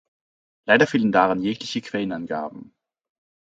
Leider fehlen darin jegliche Quellenangaben.